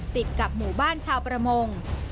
ติดกับหมู่บ้านชาวประมง